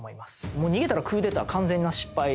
もう逃げたらクーデターは完全な失敗ですからね。